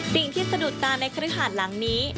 สิ่งที่สะดุดตาในคฤหารหลังนี้